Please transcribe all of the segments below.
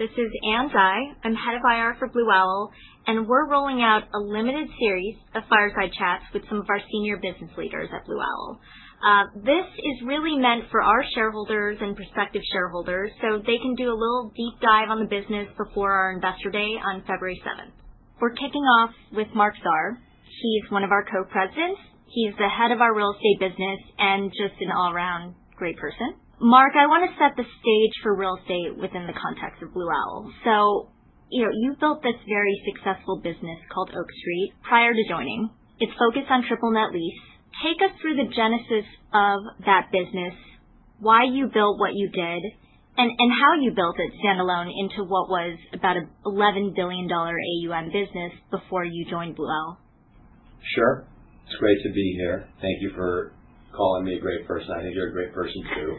This is Ann Dai. I'm Head of IR for Blue Owl, and we're rolling out a limited series of fireside chats with some of our senior business leaders at Blue Owl. This is really meant for our shareholders and prospective shareholders so they can do a little deep dive on the business before our Investor Day on February 7th. We're kicking off with Marc Zahr. He's one of our co-presidents. He's the head of our real estate business and just an all-around great person. Marc, I want to set the stage for real estate within the context of Blue Owl. So, you know, you built this very successful business called Oak Street prior to joining. It's focused on triple net lease. Take us through the genesis of that business, why you built what you did, and how you built it standalone into what was about an $11 billion AUM business before you joined Blue Owl. Sure. It's great to be here. Thank you for calling me a great person. I think you're a great person too.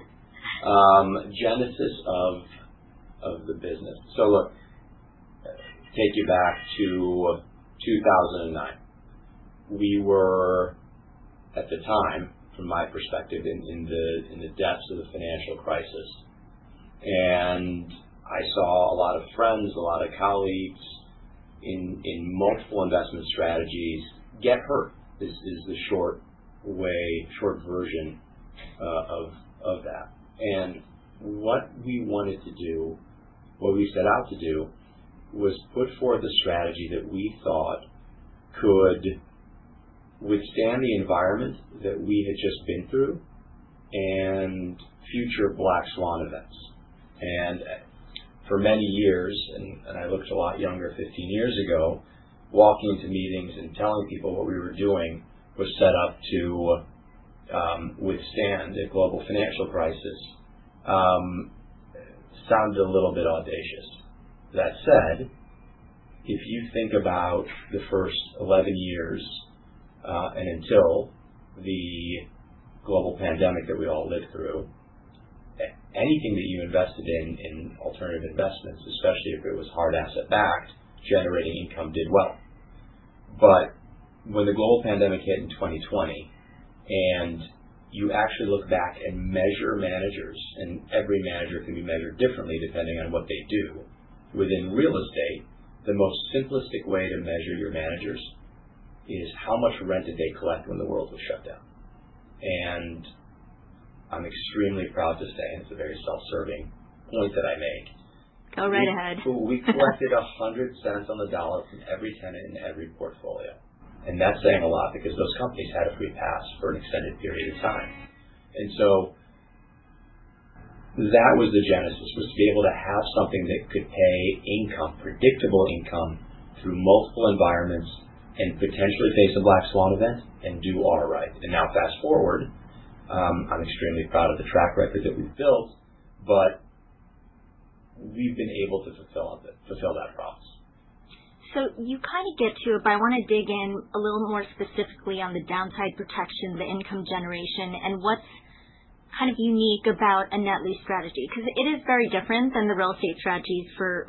Genesis of the business. So look, take you back to 2009. We were at the time, from my perspective, in the depths of the financial crisis. And I saw a lot of friends, a lot of colleagues in multiple investment strategies get hurt, is the short way, short version of that. And what we wanted to do, what we set out to do, was put forth a strategy that we thought could withstand the environment that we had just been through and future black swan events. And for many years, and I looked a lot younger 15 years ago, walking into meetings and telling people what we were doing was set up to withstand a global financial crisis sounded a little bit audacious. That said, if you think about the first 11 years and until the global pandemic that we all lived through, anything that you invested in, in alternative investments, especially if it was hard asset backed, generating income did well. But when the global pandemic hit in 2020, and you actually look back and measure managers, and every manager can be measured differently depending on what they do, within real estate, the most simplistic way to measure your managers is how much rent did they collect when the world was shut down? And I'm extremely proud to say, and it's a very self-serving point that I make. Go right ahead. We collected $0.01 on the dollar from every tenant in every portfolio, and that's saying a lot because those companies had a free pass for an extended period of time, and so that was the genesis, was to be able to have something that could pay income, predictable income through multiple environments and potentially face a black swan event and do all right, and now fast forward, I'm extremely proud of the track record that we've built, but we've been able to fulfill that promise. So you kind of get to it, but I want to dig in a little more specifically on the downside protection, the income generation, and what's kind of unique about a net lease strategy, because it is very different than the real estate strategies for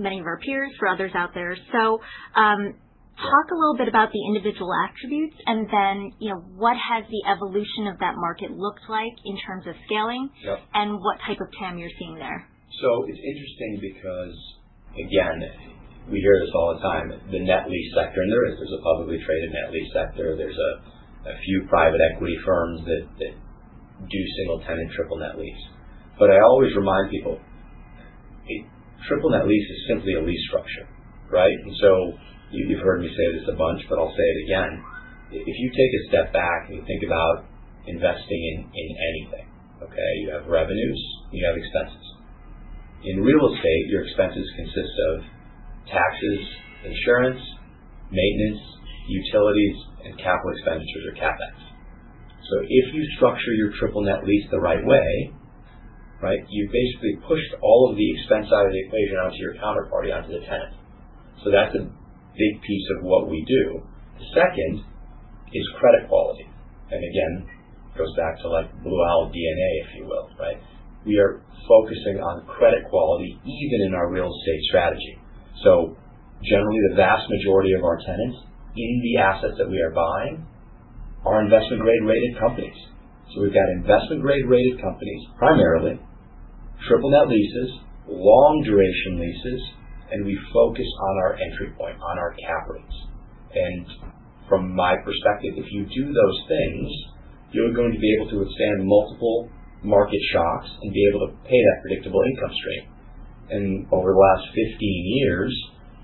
many of our peers, for others out there. So talk a little bit about the individual attributes, and then, you know, what has the evolution of that market looked like in terms of scaling and what type of TAM you're seeing there? So it's interesting because, again, we hear this all the time, the net lease sector, and there is, there's a publicly traded net lease sector. There's a few private equity firms that do single tenant triple net lease. But I always remind people, triple net lease is simply a lease structure, right? And so you've heard me say this a bunch, but I'll say it again. If you take a step back and you think about investing in anything, okay, you have revenues and you have expenses. In real estate, your expenses consist of taxes, insurance, maintenance, utilities, and capital expenditures or CapEx. So if you structure your triple net lease the right way, right, you've basically pushed all of the expense out of the equation onto your counterparty, onto the tenant. So that's a big piece of what we do. The second is credit quality. And again, it goes back to like Blue Owl DNA, if you will, right? We are focusing on credit quality even in our real estate strategy. So generally, the vast majority of our tenants in the assets that we are buying are investment grade rated companies. So we've got investment grade rated companies, primarily triple net leases, long duration leases, and we focus on our entry point, on our cap rates. And from my perspective, if you do those things, you're going to be able to withstand multiple market shocks and be able to pay that predictable income stream. And over the last 15 years,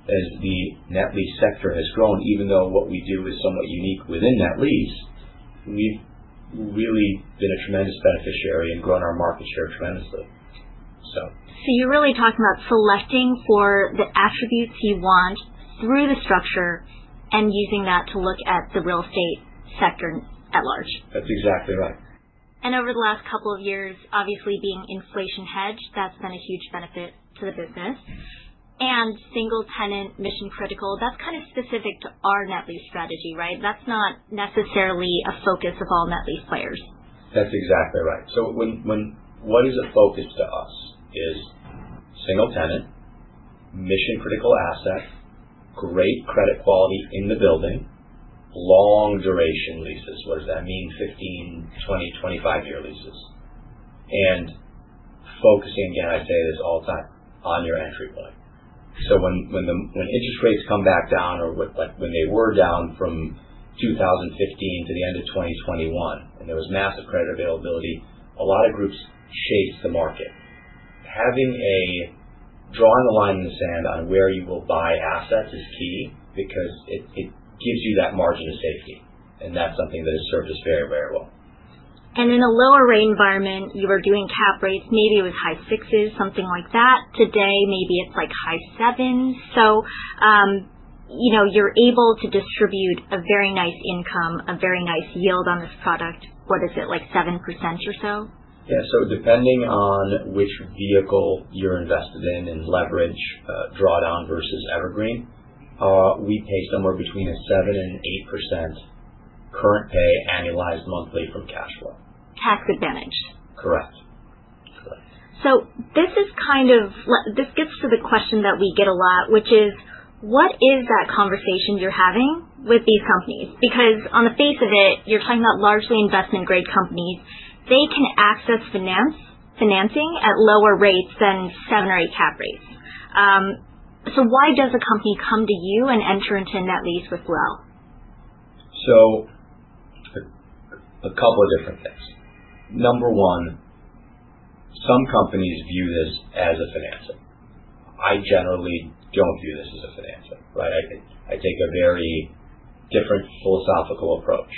as the net lease sector has grown, even though what we do is somewhat unique within net lease, we've really been a tremendous beneficiary and grown our market share tremendously. So you're really talking about selecting for the attributes you want through the structure and using that to look at the real estate sector at large. That's exactly right. And over the last couple of years, obviously being inflation hedged, that's been a huge benefit to the business. And single tenant mission critical, that's kind of specific to our net lease strategy, right? That's not necessarily a focus of all net lease players. That's exactly right. So what is a focus to us is single-tenant, mission-critical assets, great credit quality in the building, long-duration leases. What does that mean? 15-, 20-, 25-year leases. And focusing, again, I say this all the time, on your entry point. So when interest rates come back down, or when they were down from 2015 to the end of 2021, and there was massive credit availability, a lot of groups chased the market. Having drawn a line in the sand on where you will buy assets is key because it gives you that margin of safety. And that's something that has served us very, very well. In a lower rate environment, you were doing cap rates, maybe it was high sixes, something like that. Today, maybe it's like high sevens. You know, you're able to distribute a very nice income, a very nice yield on this product. What is it, like 7% or so? Yeah. So depending on which vehicle you're invested in and leverage drawdown versus evergreen, we pay somewhere between a 7% and 8% current pay annualized monthly from cash flow. Tax advantage. Correct. So this is kind of, this gets to the question that we get a lot, which is, what is that conversation you're having with these companies? Because on the face of it, you're talking about largely investment grade companies. They can access financing at lower rates than seven or eight cap rates. So why does a company come to you and enter into a net lease with Blue Owl? So a couple of different things. Number one, some companies view this as a financing. I generally don't view this as a financing, right? I take a very different philosophical approach.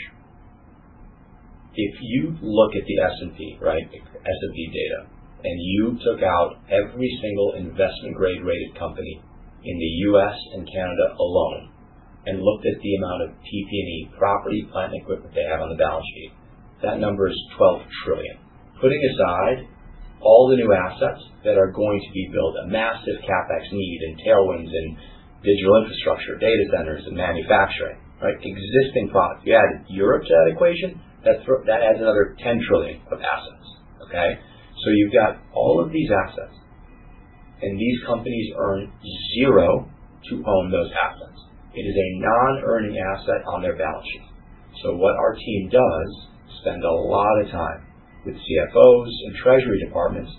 If you look at the S&P, right, S&P data, and you took out every single investment grade rated company in the U.S. and Canada alone and looked at the amount of PP&E property, plant, and equipment they have on the balance sheet, that number is 12 trillion. Putting aside all the new assets that are going to be built, a massive CapEx need and tailwinds and digital infrastructure, data centers and manufacturing, right, existing products, if you add Europe to that equation, that adds another 10 trillion of assets, okay? So you've got all of these assets, and these companies earn zero to own those assets. It is a non-earning asset on their balance sheet. So what our team does, spend a lot of time with CFOs and treasury departments,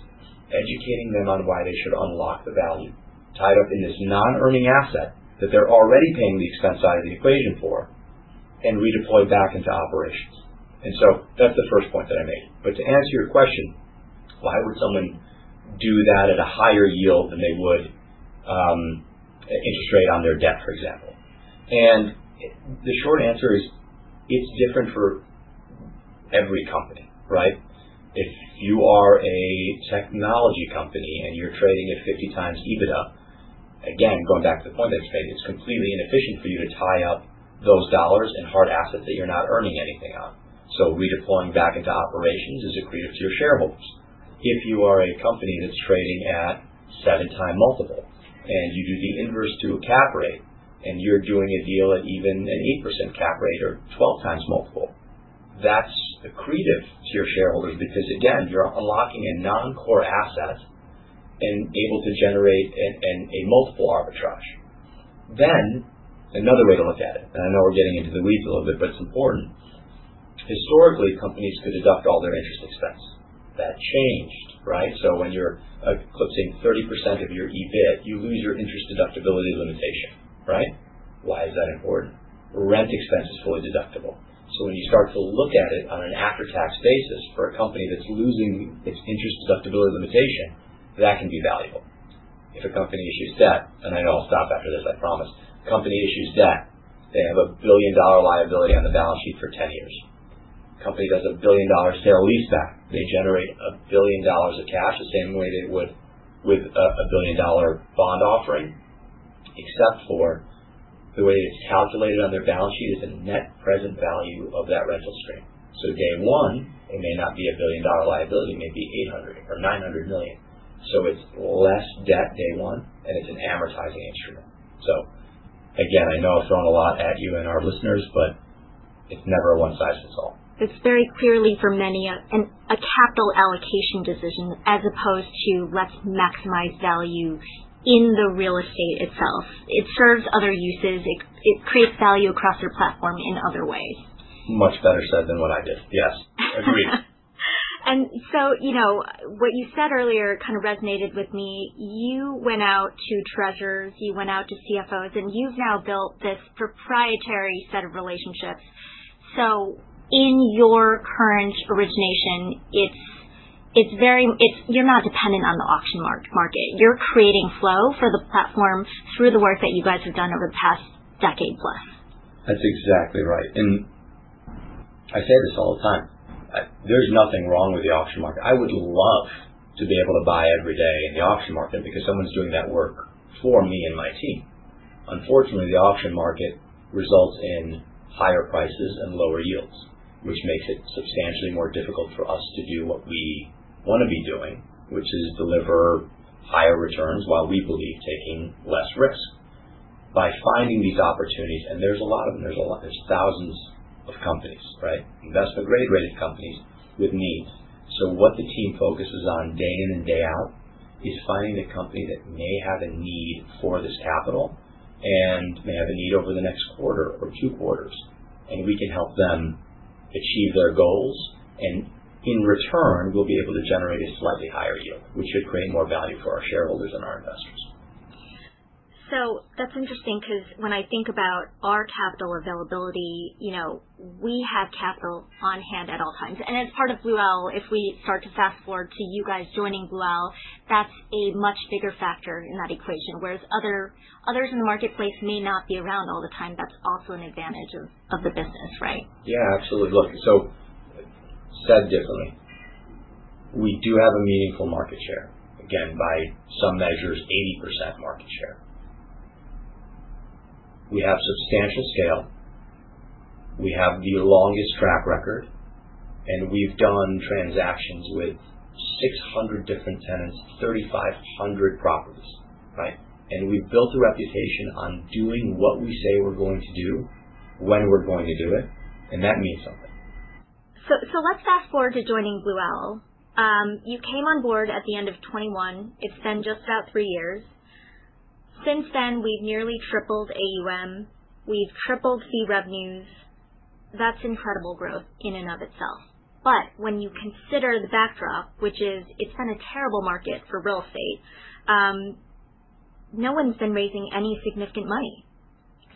educating them on why they should unlock the value tied up in this non-earning asset that they're already paying the expense side of the equation for and redeploy back into operations. And so that's the first point that I made. But to answer your question, why would someone do that at a higher yield than they would interest rate on their debt, for example? And the short answer is it's different for every company, right? If you are a technology company and you're trading at 50x EBITDA, again, going back to the point that's made, it's completely inefficient for you to tie up those dollars and hard assets that you're not earning anything on. So redeploying back into operations is a credit to your shareholders. If you are a company that's trading at 7x multiple and you do the inverse to a cap rate and you're doing a deal at even an 8% cap rate or 12x multiple, that's accretive to your shareholders because, again, you're unlocking a non-core asset and able to generate a multiple arbitrage. Then another way to look at it, and I know we're getting into the weeds a little bit, but it's important. Historically, companies could deduct all their interest expense. That changed, right? So when you're exceeding 30% of your EBIT, you lose your interest deductibility limitation, right? Why is that important? Rent expense is fully deductible. So when you start to look at it on an after-tax basis for a company that's losing its interest deductibility limitation, that can be valuable. If a company issues debt, and I know I'll stop after this, I promise, company issues debt, they have a $1 billion liability on the balance sheet for 10 years. Company does a $1 billion sale-leaseback, they generate $1 billion of cash the same way they would with a $1 billion bond offering, except for the way it's calculated on their balance sheet is a net present value of that rental stream. So day one, it may not be a $1 billion liability, it may be $800 million or $900 million. So it's less debt day one, and it's an amortizing instrument. So again, I know I've thrown a lot at you and our listeners, but it's never a one size fits all. This is very clearly for many of them a capital allocation decision as opposed to let's maximize value in the real estate itself. It serves other uses. It creates value across their platform in other ways. Much better said than what I did. Yes, agreed. And so, you know, what you said earlier kind of resonated with me. You went out to treasurers, you went out to CFOs, and you've now built this proprietary set of relationships. So in your current origination, it's very, you're not dependent on the auction market. You're creating flow for the platform through the work that you guys have done over the past decade plus. That's exactly right. And I say this all the time, there's nothing wrong with the auction market. I would love to be able to buy every day in the auction market because someone's doing that work for me and my team. Unfortunately, the auction market results in higher prices and lower yields, which makes it substantially more difficult for us to do what we want to be doing, which is deliver higher returns while we believe taking less risk. By finding these opportunities, and there's a lot of them, there's a lot, there's thousands of companies, right? Investment-grade rated companies with needs. So what the team focuses on day in and day out is finding a company that may have a need for this capital and may have a need over the next quarter or two quarters, and we can help them achieve their goals. In return, we'll be able to generate a slightly higher yield, which should create more value for our shareholders and our investors. So that's interesting because when I think about our capital availability, you know, we have capital on hand at all times. And as part of Blue Owl, if we start to fast forward to you guys joining Blue Owl, that's a much bigger factor in that equation, whereas others in the marketplace may not be around all the time. That's also an advantage of the business, right? Yeah, absolutely. Look, so said differently, we do have a meaningful market share. Again, by some measures, 80% market share. We have substantial scale. We have the longest track record, and we've done transactions with 600 different tenants, 3,500 properties, right? And we've built a reputation on doing what we say we're going to do when we're going to do it, and that means something. So let's fast forward to joining Blue Owl. You came on board at the end of 2021. It's been just about three years. Since then, we've nearly tripled AUM. We've tripled fee revenues. That's incredible growth in and of itself. But when you consider the backdrop, which is it's been a terrible market for real estate, no one's been raising any significant money.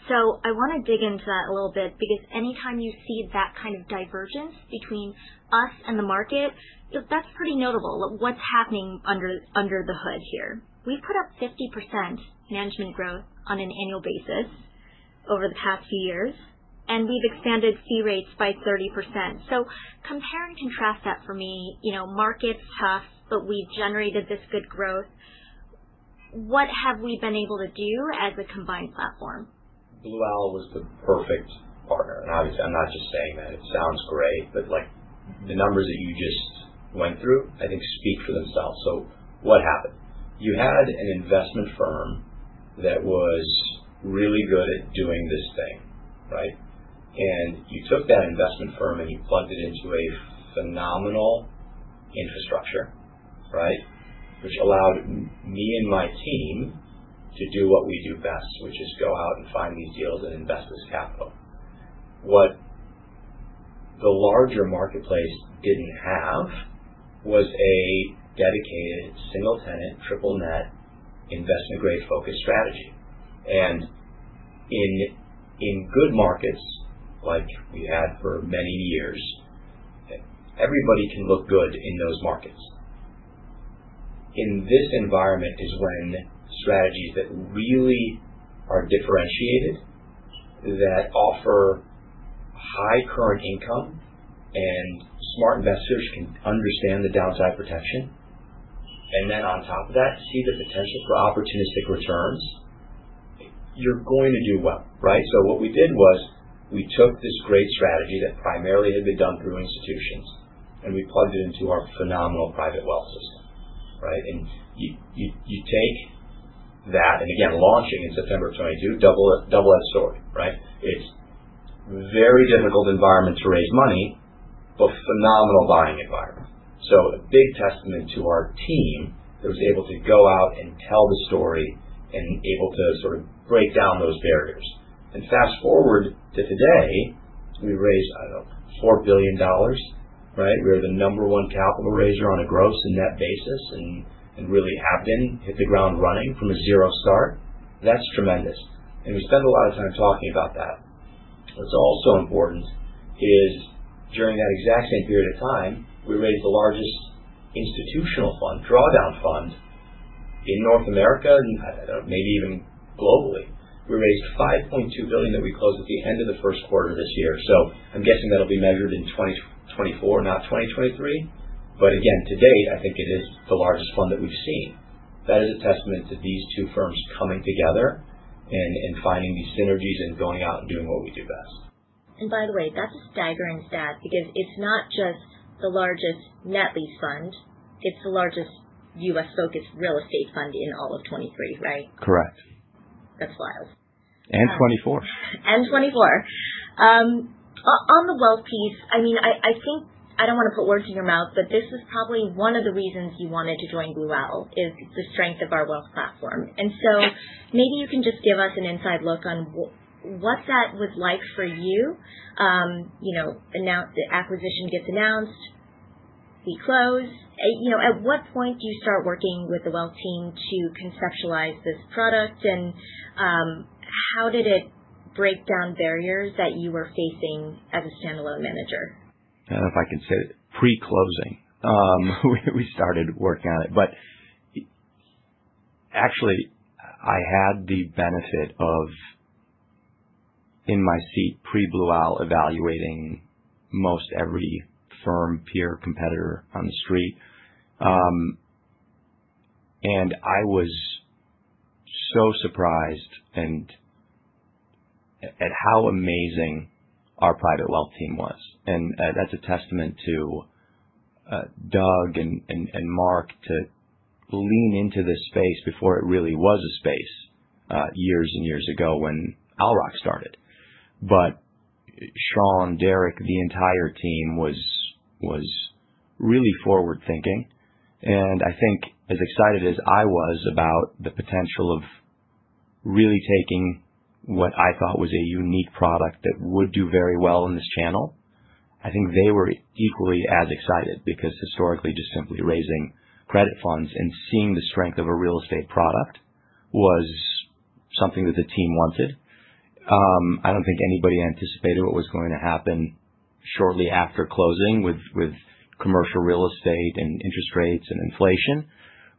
So I want to dig into that a little bit because anytime you see that kind of divergence between us and the market, that's pretty notable. What's happening under the hood here? We've put up 50% management growth on an annual basis over the past few years, and we've expanded fee rates by 30%. So compare and contrast that for me, you know, market's tough, but we've generated this good growth. What have we been able to do as a combined platform? Blue Owl was the perfect partner. And obviously, I'm not just saying that. It sounds great, but like the numbers that you just went through, I think speak for themselves. So what happened? You had an investment firm that was really good at doing this thing, right? And you took that investment firm and you plugged it into a phenomenal infrastructure, right? Which allowed me and my team to do what we do best, which is go out and find these deals and invest this capital. What the larger marketplace didn't have was a dedicated single tenant triple net investment grade focus strategy. And in good markets, like we had for many years, everybody can look good in those markets. In this environment is when strategies that really are differentiated, that offer high current income and smart investors can understand the downside protection, and then on top of that, see the potential for opportunistic returns, you're going to do well, right? So what we did was we took this great strategy that primarily had been done through institutions, and we plugged it into our phenomenal private wealth system, right? And you take that, and again, launching in September of 2022, double-edged sword, right? It's a very difficult environment to raise money, but phenomenal buying environment. So a big testament to our team that was able to go out and tell the story and able to sort of break down those barriers. And fast forward to today, we raised, I don't know, $4 billion, right? We are the number one capital raiser on a gross and net basis and really have been hit the ground running from a zero start. That's tremendous. And we spend a lot of time talking about that. What's also important is during that exact same period of time, we raised the largest institutional fund, drawdown fund in North America and maybe even globally. We raised $5.2 billion that we closed at the end of the first quarter of this year. So I'm guessing that'll be measured in 2024, not 2023. But again, to date, I think it is the largest fund that we've seen. That is a testament to these two firms coming together and finding these synergies and going out and doing what we do best. By the way, that's a staggering stat because it's not just the largest net lease fund, it's the largest U.S.-focused real estate fund in all of 2023, right? Correct. That's wild. And 2024. and 2024. On the wealth piece, I mean, I think I don't want to put words in your mouth, but this is probably one of the reasons you wanted to join Blue Owl is the strength of our wealth platform. And so maybe you can just give us an inside look on what that was like for you. You know, the acquisition gets announced, we close. You know, at what point do you start working with the wealth team to conceptualize this product? And how did it break down barriers that you were facing as a standalone manager? I don't know if I can say it. Pre-closing, we started working on it, but actually, I had the benefit of in my seat pre-Blue Owl evaluating most every firm, peer, competitor on the street. And I was so surprised at how amazing our private wealth team was. And that's a testament to Doug and Marc to lean into this space before it really was a space years and years ago when Owl Rock started. But Sean, Derek, the entire team was really forward-thinking. And I think as excited as I was about the potential of really taking what I thought was a unique product that would do very well in this channel, I think they were equally as excited because historically, just simply raising credit funds and seeing the strength of a real estate product was something that the team wanted. I don't think anybody anticipated what was going to happen shortly after closing with commercial real estate and interest rates and inflation.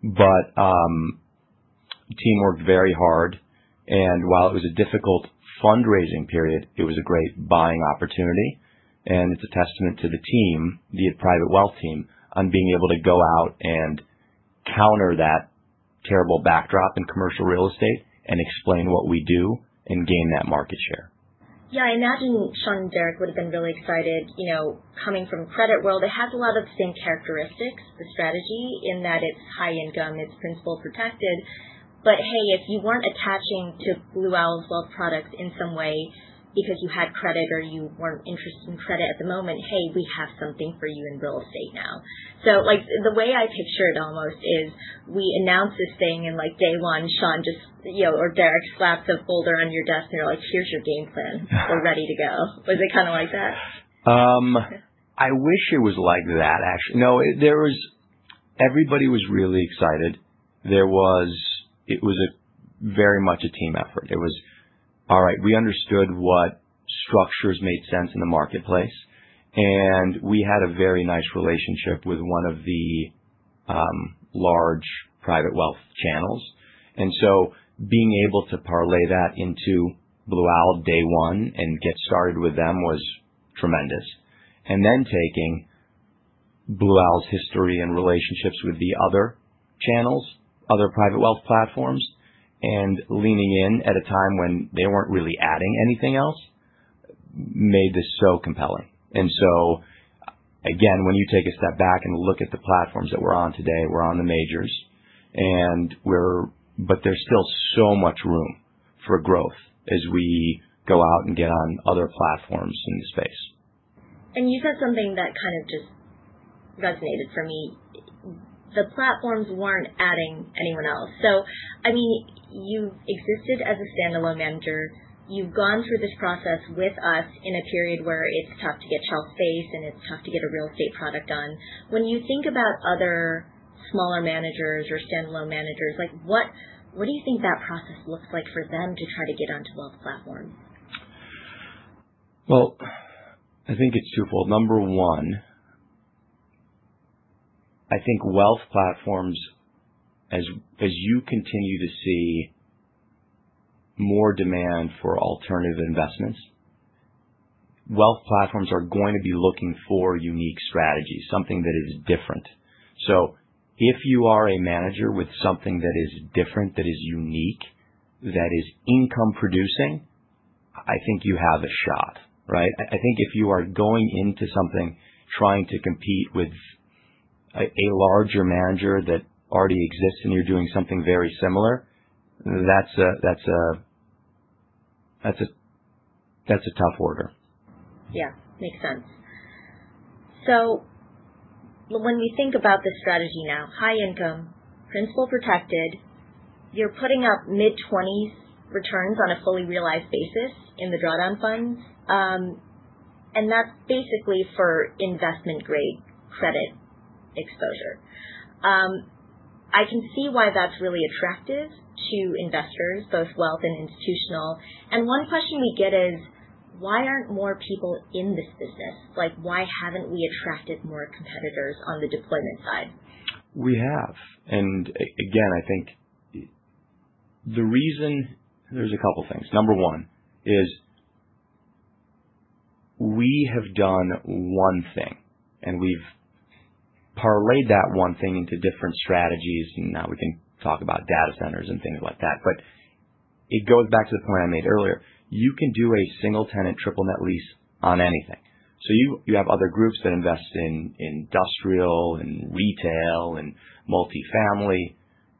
But the team worked very hard. And while it was a difficult fundraising period, it was a great buying opportunity. And it's a testament to the team, the private wealth team, on being able to go out and counter that terrible backdrop in commercial real estate and explain what we do and gain that market share. Yeah, I imagine Sean and Derek would have been really excited, you know, coming from Credit World. It has a lot of the same characteristics, the strategy in that it's high income, it's principal protected. But hey, if you weren't attaching to Blue Owl's wealth products in some way because you had credit or you weren't interested in credit at the moment, hey, we have something for you in real estate now. So like the way I picture it almost is we announce this thing and like day one, Sean just, you know, or Derek slaps a folder on your desk and you're like, here's your game plan. We're ready to go. Was it kind of like that? I wish it was like that, actually. No, there was, everybody was really excited. It was very much a team effort. All right, we understood what structures made sense in the marketplace. And we had a very nice relationship with one of the large private wealth channels. And so being able to parlay that into Blue Owl day one and get started with them was tremendous. And then taking Blue Owl's history and relationships with the other channels, other private wealth platforms, and leaning in at a time when they weren't really adding anything else made this so compelling. And so again, when you take a step back and look at the platforms that we're on today, we're on the majors, but there's still so much room for growth as we go out and get on other platforms in the space. And you said something that kind of just resonated for me. The platforms weren't adding anyone else. So I mean, you've existed as a standalone manager. You've gone through this process with us in a period where it's tough to get shelf space and it's tough to get a real estate product done. When you think about other smaller managers or standalone managers, like what do you think that process looks like for them to try to get onto wealth platforms? I think it's twofold. Number one, I think wealth platforms, as you continue to see more demand for alternative investments, wealth platforms are going to be looking for unique strategies, something that is different. So if you are a manager with something that is different, that is unique, that is income producing, I think you have a shot, right? I think if you are going into something trying to compete with a larger manager that already exists and you're doing something very similar, that's a tough order. Yeah, makes sense. So when we think about the strategy now, high income, principal protected, you're putting up mid-20s returns on a fully realized basis in the drawdown funds. And that's basically for investment-grade credit exposure. I can see why that's really attractive to investors, both wealth and institutional. And one question we get is, why aren't more people in this business? Like why haven't we attracted more competitors on the deployment side? We have, and again, I think the reason. There's a couple of things. Number one is we have done one thing and we've parlayed that one thing into different strategies, and now we can talk about data centers and things like that, but it goes back to the point I made earlier. You can do a single tenant triple net lease on anything, so you have other groups that invest in industrial and retail and multifamily.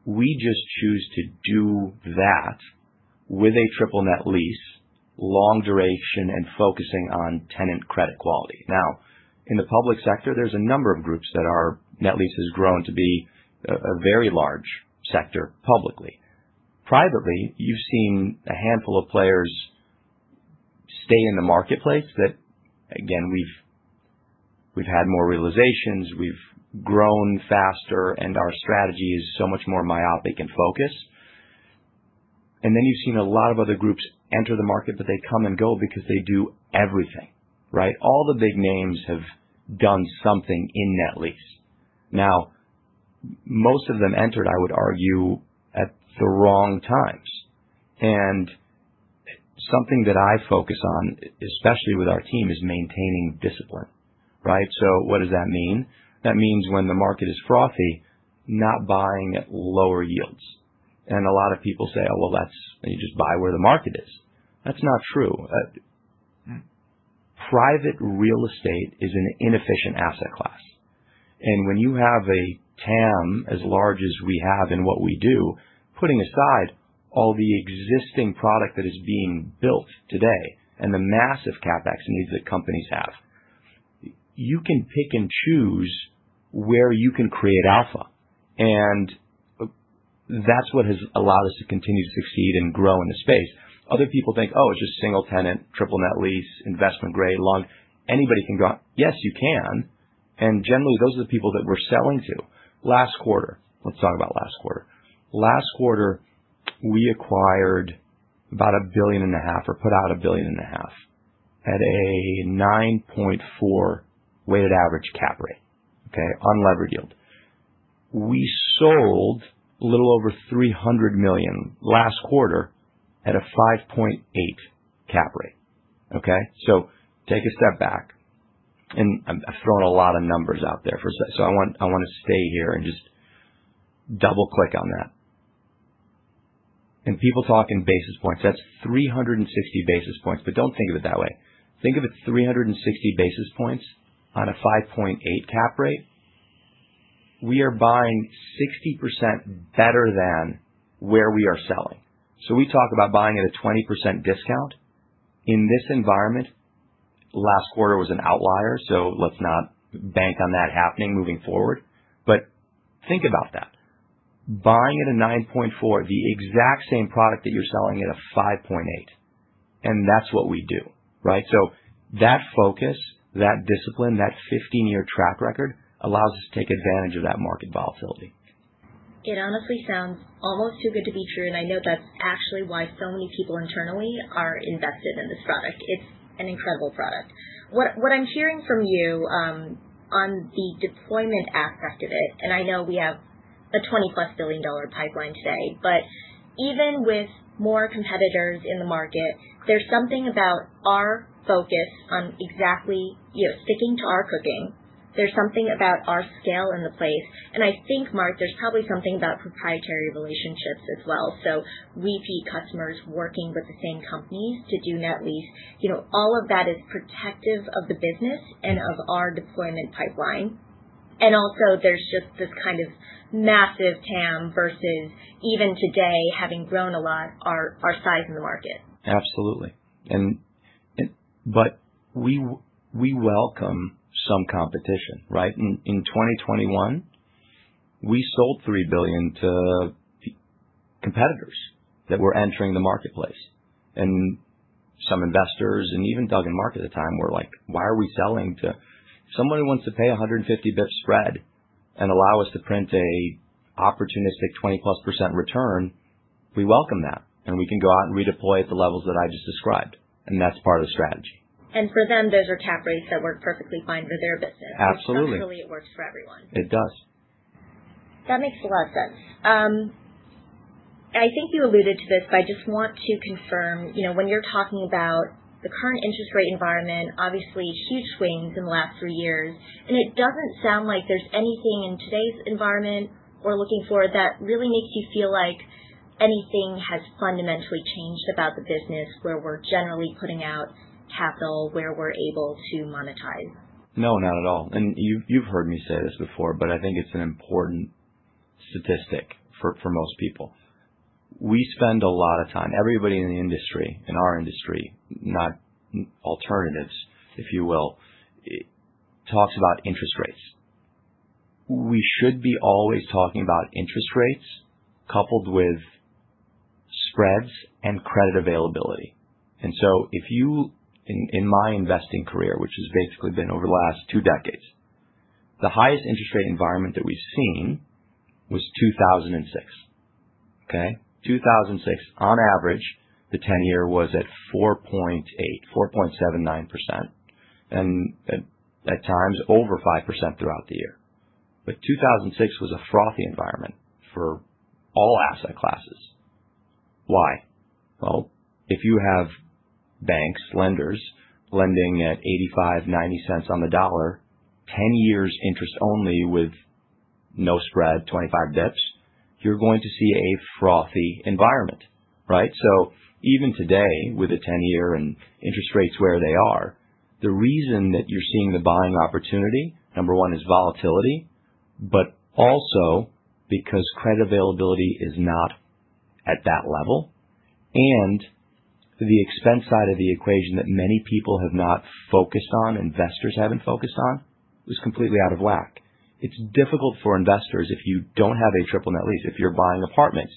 We just choose to do that with a triple net lease, long duration, and focusing on tenant credit quality. Now, in the public sector, there's a number of groups that our net lease has grown to be a very large sector publicly. Privately, you've seen a handful of players stay in the marketplace that, again, we've had more realizations, we've grown faster, and our strategy is so much more myopic and focused. And then you've seen a lot of other groups enter the market, but they come and go because they do everything, right? All the big names have done something in net lease. Now, most of them entered, I would argue, at the wrong times. And something that I focus on, especially with our team, is maintaining discipline, right? So what does that mean? That means when the market is frothy, not buying at lower yields. And a lot of people say, oh, well, that's, you just buy where the market is. That's not true. Private real estate is an inefficient asset class. And when you have a TAM as large as we have in what we do, putting aside all the existing product that is being built today and the massive CapEx needs that companies have, you can pick and choose where you can create alpha. And that's what has allowed us to continue to succeed and grow in the space. Other people think, oh, it's just single tenant, triple net lease, investment grade, long. Anybody can go, yes, you can. And generally, those are the people that we're selling to. Last quarter, let's talk about last quarter. Last quarter, we acquired about $1.5 billion or put out $1.5 billion at a 9.4 weighted average cap rate, okay, on leverage yield. We sold a little over $300 million last quarter at a 5.8 cap rate, okay? So take a step back. And I've thrown a lot of numbers out there for a second. So I want to stay here and just double-click on that. And people talk in basis points. That's 360 basis points, but don't think of it that way. Think of it 360 basis points on a 5.8 cap rate. We are buying 60% better than where we are selling, so we talk about buying at a 20% discount. In this environment, last quarter was an outlier, so let's not bank on that happening moving forward, but think about that. Buying at a 9.4, the exact same product that you're selling at a 5.8, and that's what we do, right, so that focus, that discipline, that 15-year track record allows us to take advantage of that market volatility. It honestly sounds almost too good to be true. And I know that's actually why so many people internally are invested in this product. It's an incredible product. What I'm hearing from you on the deployment aspect of it, and I know we have a $20+ billion pipeline today, but even with more competitors in the market, there's something about our focus on exactly, you know, sticking to our cooking. There's something about our scale and the place. And I think, Marc, there's probably something about proprietary relationships as well. So repeat customers working with the same companies to do net lease, you know, all of that is protective of the business and of our deployment pipeline. And also there's just this kind of massive TAM versus even today having grown a lot, our size in the market. Absolutely. And but we welcome some competition, right? In 2021, we sold $3 billion to competitors that were entering the marketplace. And some investors and even Doug and Marc at the time were like, why are we selling to someone who wants to pay 150 bips spread and allow us to print an opportunistic 20+ percent return? We welcome that. And we can go out and redeploy at the levels that I just described. And that's part of the strategy. For them, those are cap rates that work perfectly fine for their business. Absolutely. Hopefully it works for everyone. It does. That makes a lot of sense. I think you alluded to this, but I just want to confirm, you know, when you're talking about the current interest rate environment, obviously huge swings in the last three years. And it doesn't sound like there's anything in today's environment or looking forward that really makes you feel like anything has fundamentally changed about the business where we're generally putting out capital where we're able to monetize. No, not at all. And you've heard me say this before, but I think it's an important statistic for most people. We spend a lot of time, everybody in the industry, in our industry, not alternatives, if you will, talks about interest rates. We should be always talking about interest rates coupled with spreads and credit availability. And so if you, in my investing career, which has basically been over the last two decades, the highest interest rate environment that we've seen was 2006, okay? 2006, on average, the 10-year was at 4.8%, 4.79%, and at times over 5% throughout the year. But 2006 was a frothy environment for all asset classes. Why? Well, if you have banks, lenders lending at 85, 90 cents on the dollar, 10 years interest only with no spread, 25 bips, you're going to see a frothy environment, right? So even today with a 10-year and interest rates where they are, the reason that you're seeing the buying opportunity, number one is volatility, but also because credit availability is not at that level. And the expense side of the equation that many people have not focused on, investors haven't focused on, was completely out of whack. It's difficult for investors if you don't have a triple net lease, if you're buying apartments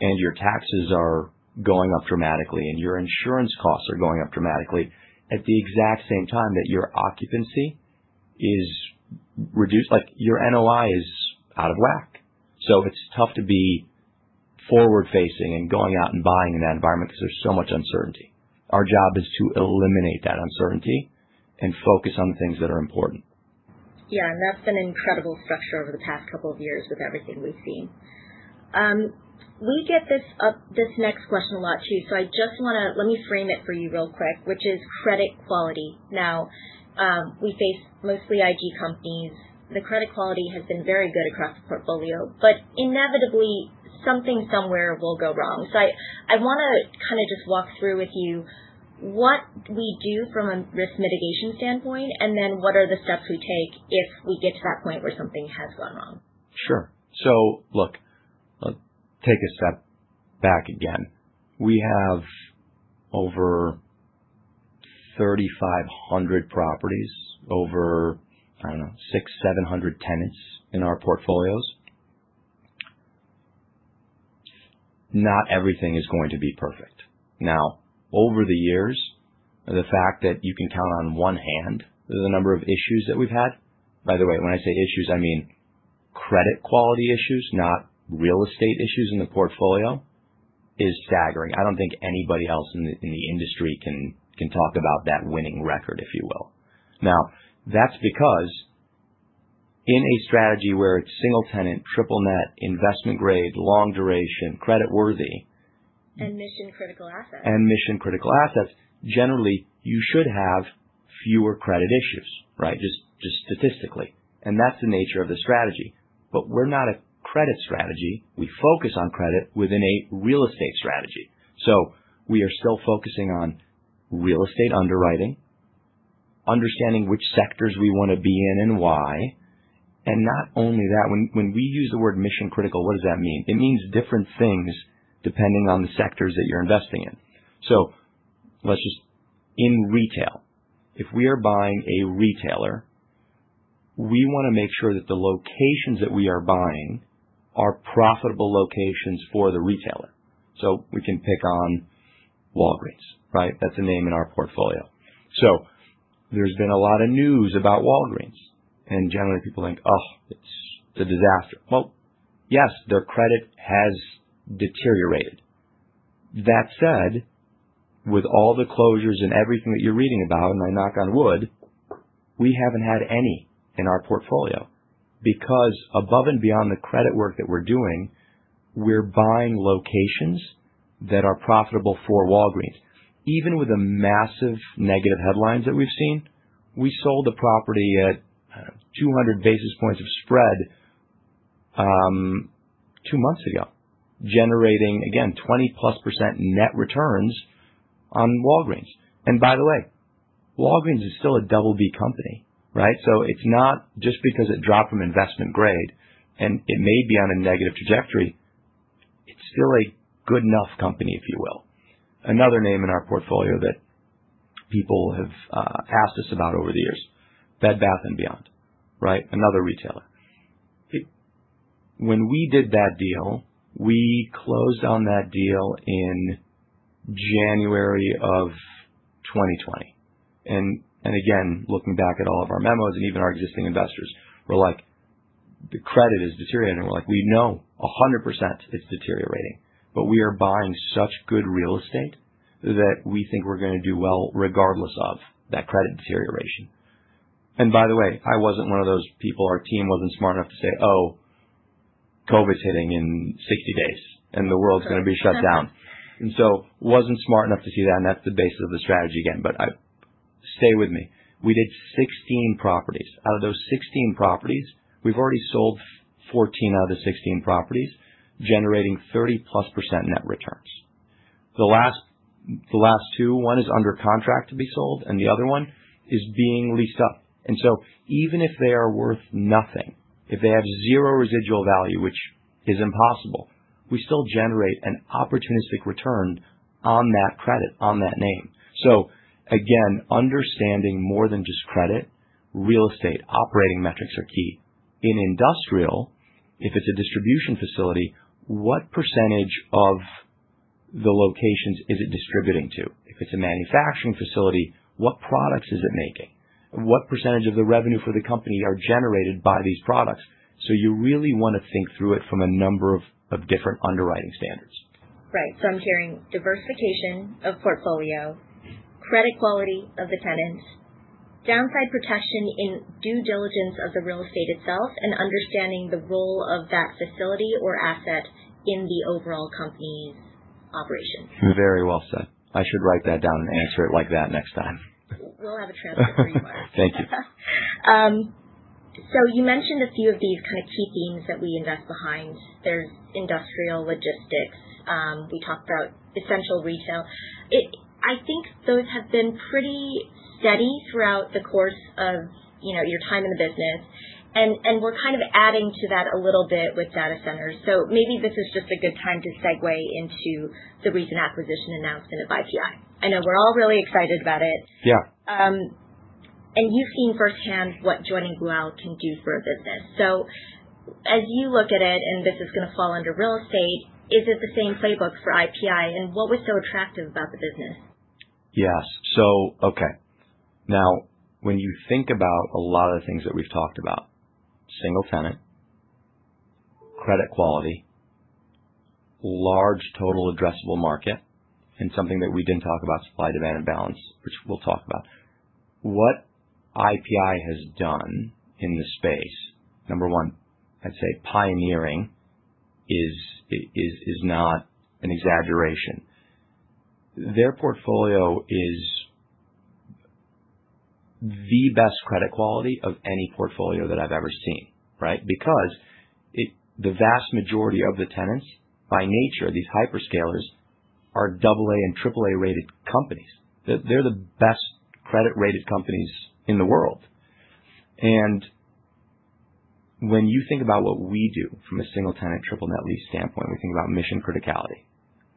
and your taxes are going up dramatically and your insurance costs are going up dramatically at the exact same time that your occupancy is reduced, like your NOI is out of whack. So it's tough to be forward-facing and going out and buying in that environment because there's so much uncertainty. Our job is to eliminate that uncertainty and focus on the things that are important. Yeah, and that's been an incredible structure over the past couple of years with everything we've seen. We get this next question a lot too. So I just want to, let me frame it for you real quick, which is credit quality. Now, we face mostly IG companies. The credit quality has been very good across the portfolio, but inevitably something somewhere will go wrong. So I want to kind of just walk through with you what we do from a risk mitigation standpoint and then what are the steps we take if we get to that point where something has gone wrong. Sure. So look, let's take a step back again. We have over 3,500 properties, over, I don't know, 600, 700 tenants in our portfolios. Not everything is going to be perfect. Now, over the years, the fact that you can count on one hand the number of issues that we've had, by the way, when I say issues, I mean credit quality issues, not real estate issues in the portfolio, is staggering. I don't think anybody else in the industry can talk about that winning record, if you will. Now, that's because in a strategy where it's single tenant, triple net, investment grade, long duration, creditworthy. Mission critical assets. And mission critical assets, generally you should have fewer credit issues, right? Just statistically. And that's the nature of the strategy. But we're not a credit strategy. We focus on credit within a real estate strategy. So we are still focusing on real estate underwriting, understanding which sectors we want to be in and why. And not only that, when we use the word mission critical, what does that mean? It means different things depending on the sectors that you're investing in. So let's just, in retail, if we are buying a retailer, we want to make sure that the locations that we are buying are profitable locations for the retailer. So we can pick on Walgreens, right? That's a name in our portfolio. So there's been a lot of news about Walgreens. And generally people think, oh, it's a disaster. Well, yes, their credit has deteriorated. That said, with all the closures and everything that you're reading about, and I knock on wood, we haven't had any in our portfolio because above and beyond the credit work that we're doing, we're buying locations that are profitable for Walgreens. Even with the massive negative headlines that we've seen, we sold a property at 200 basis points of spread two months ago, generating again, 20+ percent net returns on Walgreens. And by the way, Walgreens is still a BB company, right? So it's not just because it dropped from investment grade and it may be on a negative trajectory, it's still a good enough company, if you will. Another name in our portfolio that people have asked us about over the years, Bed Bath & Beyond, right? Another retailer. When we did that deal, we closed on that deal in January of 2020. And again, looking back at all of our memos and even our existing investors, we're like, the credit is deteriorating. We're like, we know 100% it's deteriorating, but we are buying such good real estate that we think we're going to do well regardless of that credit deterioration. And by the way, I wasn't one of those people, our team wasn't smart enough to say, oh, COVID's hitting in 60 days and the world's going to be shut down. And so wasn't smart enough to see that. And that's the basis of the strategy again. But stay with me. We did 16 properties. Out of those 16 properties, we've already sold 14 out of the 16 properties, generating 30+ percent net returns. The last two, one is under contract to be sold and the other one is being leased up. And so even if they are worth nothing, if they have zero residual value, which is impossible, we still generate an opportunistic return on that credit, on that name. So again, understanding more than just credit, real estate, operating metrics are key. In industrial, if it's a distribution facility, what percentage of the locations is it distributing to? If it's a manufacturing facility, what products is it making? What percentage of the revenue for the company are generated by these products? So you really want to think through it from a number of different underwriting standards. Right. So I'm hearing diversification of portfolio, credit quality of the tenants, downside protection in due diligence of the real estate itself, and understanding the role of that facility or asset in the overall company's operations. Very well said. I should write that down and answer it like that next time. We'll have a transfer for you, Marc. Thank you. So you mentioned a few of these kind of key themes that we invest behind. There's industrial, logistics. We talked about essential retail. I think those have been pretty steady throughout the course of your time in the business, and we're kind of adding to that a little bit with data centers, so maybe this is just a good time to segue into the recent acquisition announcement of IPI. I know we're all really excited about it. Yeah. And you've seen firsthand what joining Blue Owl can do for a business. So as you look at it, and this is going to fall under real estate, is it the same playbook for IPI? And what was so attractive about the business? Yes. So, okay. Now, when you think about a lot of the things that we've talked about, single tenant, credit quality, large total addressable market, and something that we didn't talk about, supply-demand imbalance, which we'll talk about. What IPI has done in the space, number one, I'd say pioneering is not an exaggeration. Their portfolio is the best credit quality of any portfolio that I've ever seen, right? Because the vast majority of the tenants, by nature, these hyperscalers are AA and AAA rated companies. They're the best credit-rated companies in the world. And when you think about what we do from a single tenant, triple net lease standpoint, we think about mission criticality,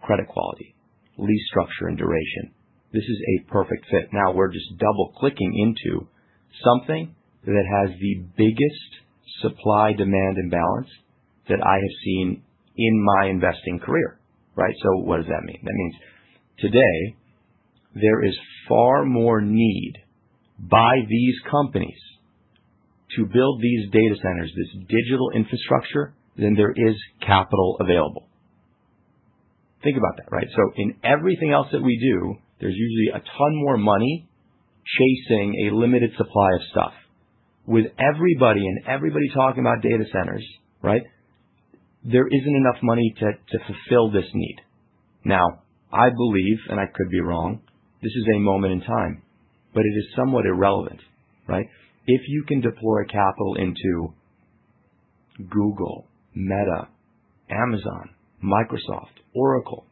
credit quality, lease structure, and duration. This is a perfect fit. Now we're just double-clicking into something that has the biggest supply-demand imbalance that I have seen in my investing career, right? So what does that mean? That means today there is far more need by these companies to build these data centers, this digital infrastructure than there is capital available. Think about that, right? So in everything else that we do, there's usually a ton more money chasing a limited supply of stuff. With everybody and everybody talking about data centers, right? There isn't enough money to fulfill this need. Now, I believe, and I could be wrong, this is a moment in time, but it is somewhat irrelevant, right? If you can deploy capital into Google, Meta, Amazon, Microsoft, Oracle,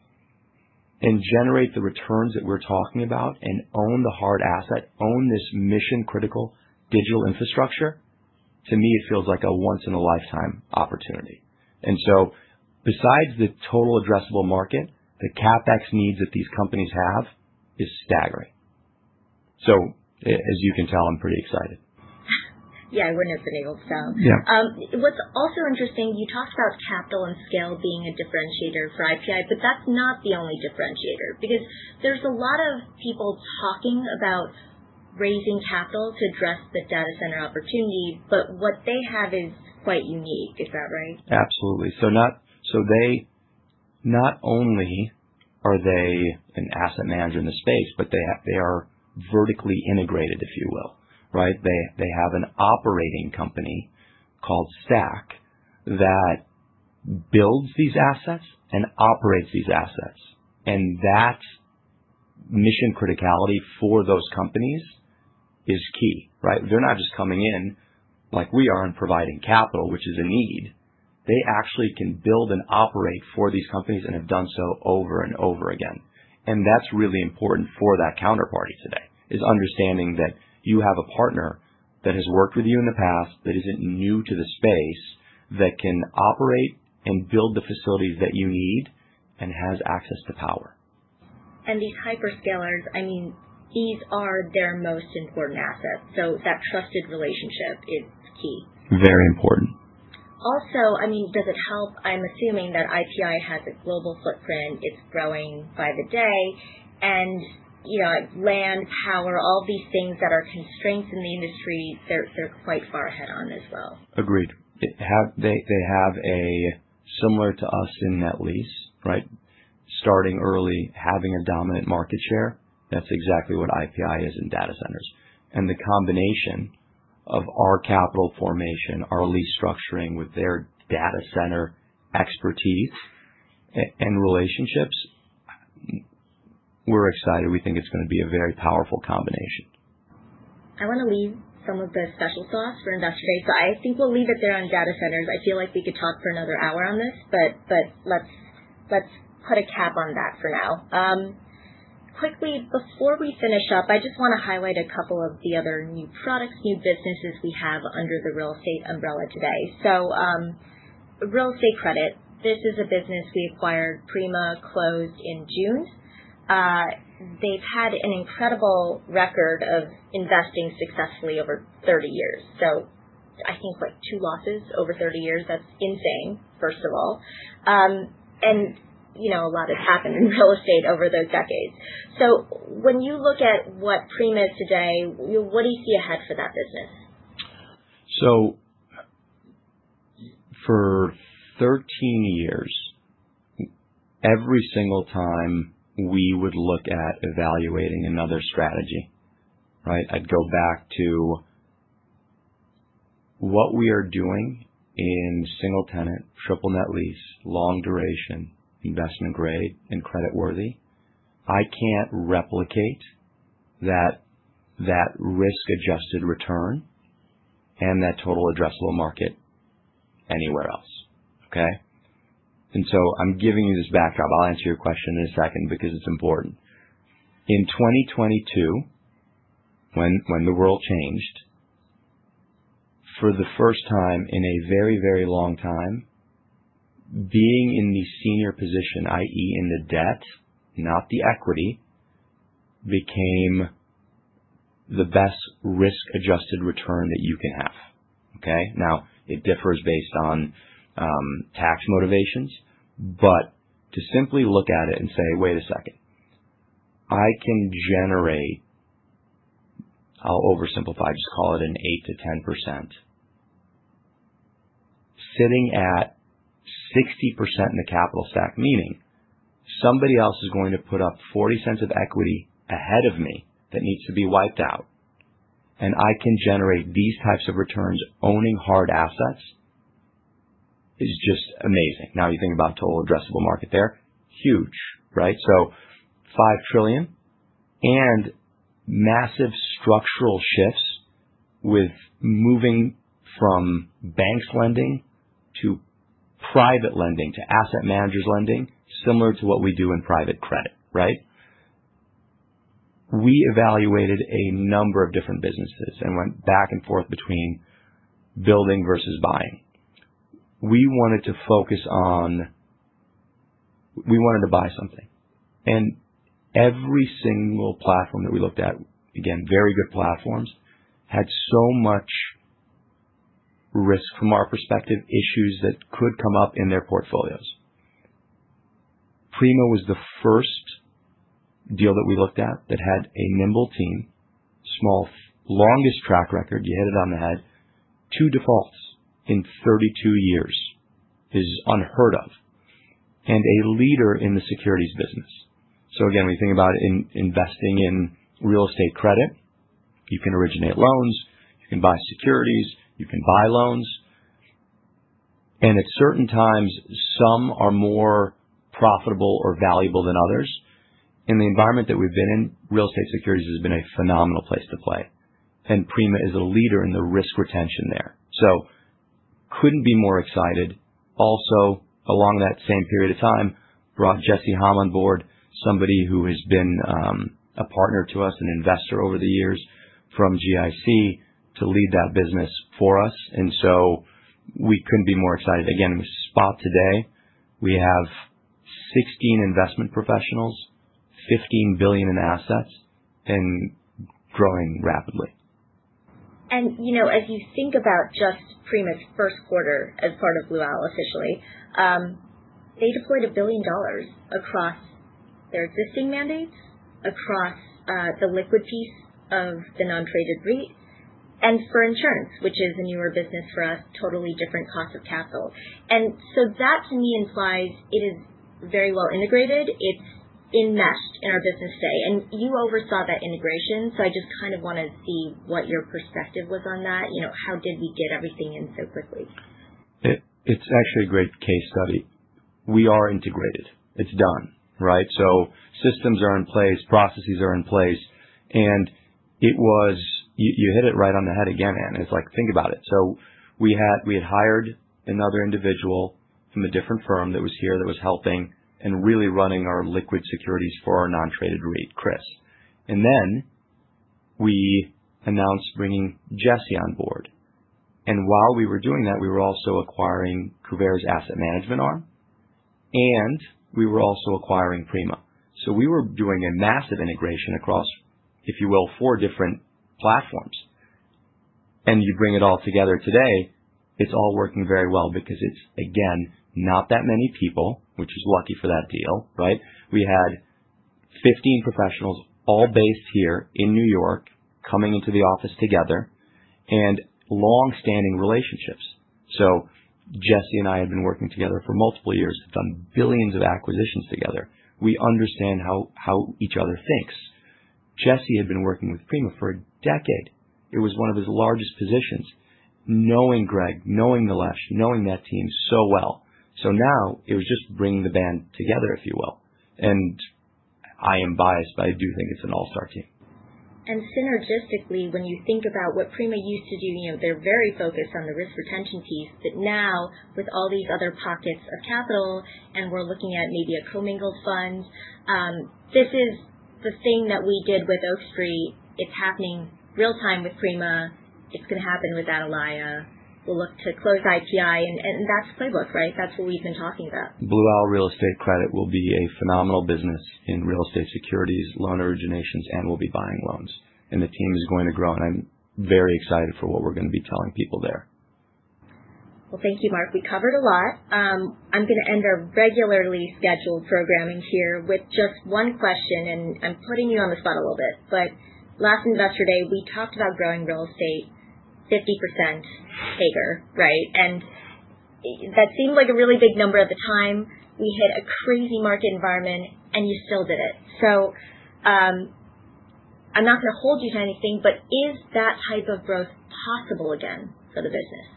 and generate the returns that we're talking about and own the hard asset, own this mission critical digital infrastructure, to me, it feels like a once-in-a-lifetime opportunity. And so besides the total addressable market, the CapEx needs that these companies have is staggering. As you can tell, I'm pretty excited. Yeah, I wouldn't have been able to tell. Yeah. What's also interesting, you talked about capital and scale being a differentiator for IPI, but that's not the only differentiator because there's a lot of people talking about raising capital to address the data center opportunity, but what they have is quite unique. Is that right? Absolutely. So not only are they an asset manager in the space, but they are vertically integrated, if you will, right? They have an operating company called STACK that builds these assets and operates these assets. And that mission criticality for those companies is key, right? They're not just coming in like we are and providing capital, which is a need. They actually can build and operate for these companies and have done so over and over again. And that's really important for that counterparty today is understanding that you have a partner that has worked with you in the past, that isn't new to the space, that can operate and build the facilities that you need and has access to power. These hyperscalers, I mean, these are their most important assets. That trusted relationship is key. Very important. Also, I mean, does it help? I'm assuming that IPI has a global footprint. It's growing by the day, and land, power, all of these things that are constraints in the industry, they're quite far ahead on as well. Agreed. They have a similar to us in net lease, right? Starting early, having a dominant market share. That's exactly what IPI is in data centers. And the combination of our capital formation, our lease structuring with their data center expertise and relationships, we're excited. We think it's going to be a very powerful combination. I want to leave some of the special thoughts for investors. So I think we'll leave it there on data centers. I feel like we could talk for another hour on this, but let's put a cap on that for now. Quickly, before we finish up, I just want to highlight a couple of the other new products, new businesses we have under the real estate umbrella today. So real estate credit, this is a business we acquired, Prima, closed in June. They've had an incredible record of investing successfully over 30 years. So I think like two losses over 30 years. That's insane, first of all. And a lot has happened in real estate over those decades. So when you look at what Prima is today, what do you see ahead for that business? So for 13 years, every single time we would look at evaluating another strategy, right? I'd go back to what we are doing in single tenant, triple net lease, long duration, investment grade, and credit worthy. I can't replicate that risk-adjusted return and that total addressable market anywhere else, okay? And so I'm giving you this backdrop. I'll answer your question in a second because it's important. In 2022, when the world changed, for the first time in a very, very long time, being in the senior position, i.e., in the debt, not the equity, became the best risk-adjusted return that you can have, okay? Now, it differs based on tax motivations, but to simply look at it and say, "Wait a second, I can generate," I'll oversimplify, just call it an 8%-10%, sitting at 60% in the capital stack, meaning somebody else is going to put up $0.40 of equity ahead of me that needs to be wiped out. And I can generate these types of returns owning hard assets is just amazing. Now, you think about total addressable market there, huge, right? So $5 trillion and massive structural shifts with moving from banks lending to private lending to asset managers lending, similar to what we do in private credit, right? We evaluated a number of different businesses and went back and forth between building versus buying. We wanted to focus on, we wanted to buy something. And every single platform that we looked at, again, very good platforms, had so much risk from our perspective, issues that could come up in their portfolios. Prima was the first deal that we looked at that had a nimble team, small, longest track record, you hit it on the head, two defaults in 32 years is unheard of, and a leader in the securities business. So again, when you think about investing in real estate credit, you can originate loans, you can buy securities, you can buy loans. And at certain times, some are more profitable or valuable than others. In the environment that we've been in, real estate securities has been a phenomenal place to play. And Prima is a leader in the risk retention there. So couldn't be more excited. Also, along that same period of time, brought Jesse Hom on board, somebody who has been a partner to us, an investor over the years from GIC to lead that business for us. And so we couldn't be more excited. Again, we've got today, we have 16 investment professionals, $15 billion in assets, and growing rapidly. As you think about just Prima's first quarter as part of Blue Owl officially, they deployed $1 billion across their existing mandates, across the liquid piece of the non-traded REIT, and for insurance, which is a newer business for us, totally different cost of capital. So that to me implies it is very well integrated. It's enmeshed in our business today. You oversaw that integration. I just kind of want to see what your perspective was on that. How did we get everything in so quickly? It's actually a great case study. We are integrated. It's done, right? So systems are in place, processes are in place. And you hit it right on the head again, Ann. It's like, think about it. So we had hired another individual from a different firm that was here that was helping and really running our liquid securities for our non-traded REIT, Chris. And then we announced bringing Jesse on board. And while we were doing that, we were also acquiring Kuvare's asset management arm, and we were also acquiring Prima. So we were doing a massive integration across, if you will, four different platforms. And you bring it all together today, it's all working very well because it's, again, not that many people, which is lucky for that deal, right? We had 15 professionals all based here in New York coming into the office together and long-standing relationships. So Jesse and I had been working together for multiple years. We've done billions of acquisitions together. We understand how each other thinks. Jesse had been working with Prima for a decade. It was one of his largest positions, knowing Greg, knowing Nilesh, knowing that team so well. So now it was just bringing the band together, if you will. And I am biased, but I do think it's an all-star team. And synergistically, when you think about what Prima used to do, they're very focused on the risk retention piece, but now with all these other pockets of capital and we're looking at maybe a commingled fund, this is the thing that we did with Oak Street. It's happening real-time with Prima. It's going to happen with Atalaya. We'll look to close IPI. And that's playbook, right? That's what we've been talking about. Blue Owl Real Estate Credit will be a phenomenal business in real estate securities, loan originations, and we'll be buying loans. And the team is going to grow. And I'm very excited for what we're going to be telling people there. Thank you, Marc. We covered a lot. I'm going to end our regularly scheduled programming here with just one question, and I'm putting you on the spot a little bit. But last Investor Day, we talked about growing real estate 50% CAGR, right? And that seemed like a really big number at the time. We hit a crazy market environment, and you still did it. So I'm not going to hold you to anything, but is that type of growth possible again for the business?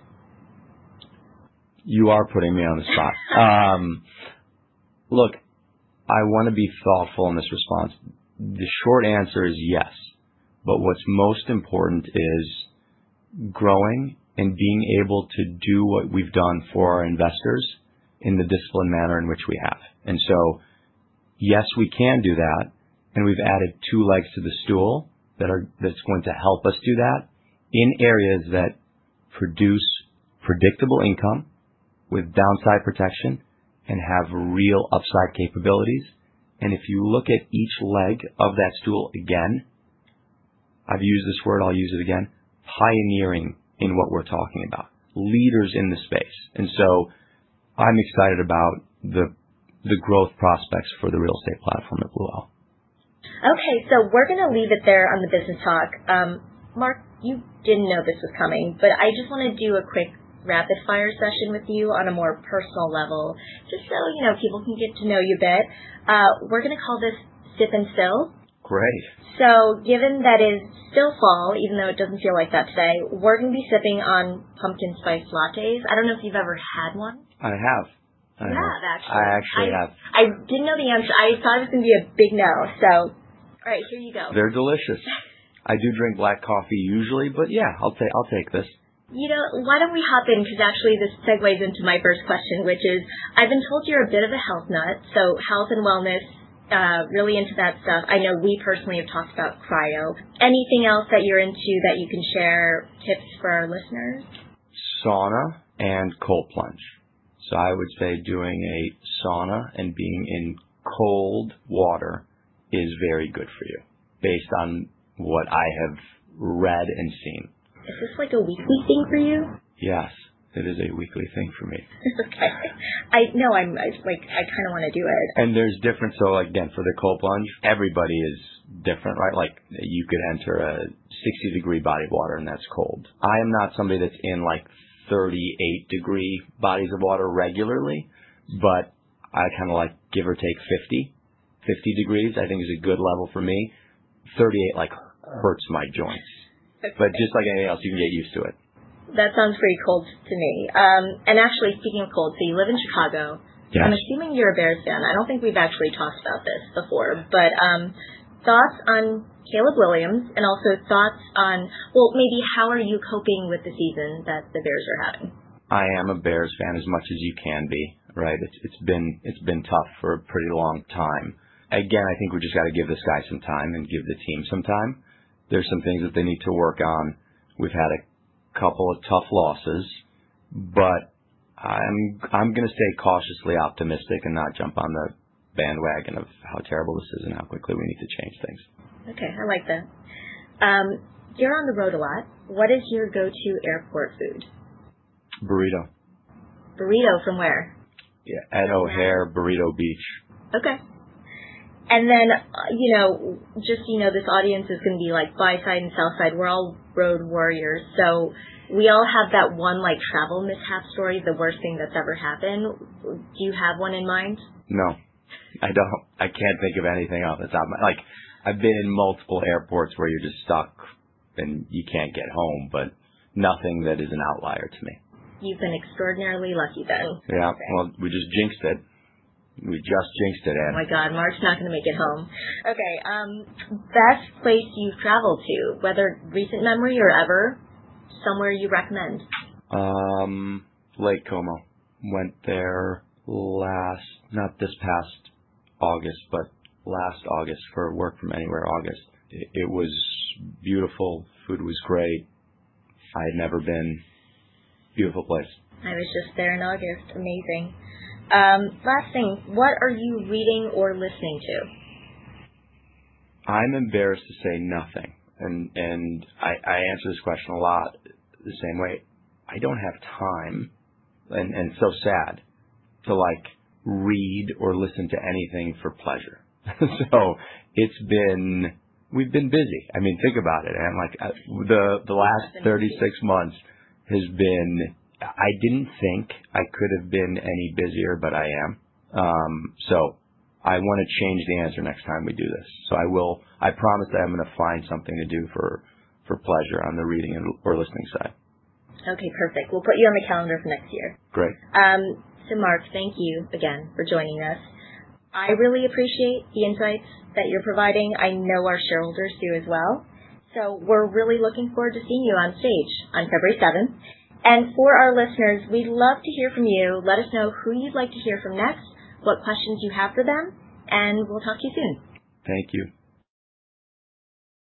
You are putting me on the spot. Look, I want to be thoughtful in this response. The short answer is yes, but what's most important is growing and being able to do what we've done for our investors in the disciplined manner in which we have. And so yes, we can do that. And we've added two legs to the stool that's going to help us do that in areas that produce predictable income with downside protection and have real upside capabilities. And if you look at each leg of that stool again, I've used this word, I'll use it again, pioneering in what we're talking about, leaders in the space. And so I'm excited about the growth prospects for the real estate platform at Blue Owl. Okay. So we're going to leave it there on the business talk. Marc, you didn't know this was coming, but I just want to do a quick rapid-fire session with you on a more personal level just so people can get to know you a bit. We're going to call this Sip and Spill. Great. So given that it is still fall, even though it doesn't feel like that today, we're going to be sipping on pumpkin spice lattes. I don't know if you've ever had one. I have. You have, actually. I actually have. I didn't know the answer. I thought it was going to be a big no. All right. Here you go. They're delicious. I do drink black coffee usually, but yeah, I'll take this. You know, why don't we hop in? Because actually this segues into my first question, which is I've been told you're a bit of a health nut. So health and wellness, really into that stuff. I know we personally have talked about cryo. Anything else that you're into that you can share tips for our listeners? Sauna and cold plunge, so I would say doing a sauna and being in cold water is very good for you based on what I have read and seen. Is this like a weekly thing for you? Yes. It is a weekly thing for me. Okay. No, I kind of want to do it. There's a difference. So again, for the cold plunge, everybody is different, right? You could enter a 60-degree body of water and that's cold. I am not somebody that's in like 38-degree bodies of water regularly, but I kind of like give or take 50. 50 degrees, I think, is a good level for me. 38 hurts my joints. But just like anything else, you can get used to it. That sounds pretty cold to me, and actually, speaking of cold, so you live in Chicago. I'm assuming you're a Bears fan. I don't think we've actually talked about this before, but thoughts on Caleb Williams and also thoughts on, well, maybe how are you coping with the season that the Bears are having? I am a Bears fan as much as you can be, right? It's been tough for a pretty long time. Again, I think we've just got to give this guy some time and give the team some time. There's some things that they need to work on. We've had a couple of tough losses, but I'm going to stay cautiously optimistic and not jump on the bandwagon of how terrible this is and how quickly we need to change things. Okay. I like that. You're on the road a lot. What is your go-to airport food? Burrito. Burrito from where? Yeah. At O'Hare Burrito Beach. Okay. And then just so you know, this audience is going to be like buy side and sell side. We're all road warriors. So we all have that one travel mishap story, the worst thing that's ever happened. Do you have one in mind? No. I don't. I can't think of anything off the top of my head. I've been in multiple airports where you're just stuck and you can't get home, but nothing that is an outlier to me. You've been extraordinarily lucky then. Yeah. Well, we just jinxed it. We just jinxed it, Ann. Oh my God. Marc's not going to make it home. Okay. Best place you've traveled to, whether recent memory or ever, somewhere you recommend? Lake Como. Went there last, not this past August, but last August for Work From Anywhere August. It was beautiful. Food was great. I had never been. Beautiful place. I was just there in August. Amazing. Last thing. What are you reading or listening to? I'm embarrassed to say nothing, and I answer this question a lot the same way. I don't have time, and I'm so sad to read or listen to anything for pleasure, so we've been busy. I mean, think about it, Ann. The last 36 months has been, I didn't think I could have been any busier, but I am, so I want to change the answer next time we do this, so I promise I'm going to find something to do for pleasure on the reading or listening side. Okay. Perfect. We'll put you on the calendar for next year. Great. So Marc, thank you again for joining us. I really appreciate the insights that you're providing. I know our shareholders do as well. So we're really looking forward to seeing you on stage on February 7th. And for our listeners, we'd love to hear from you. Let us know who you'd like to hear from next, what questions you have for them, and we'll talk to you soon. Thank you.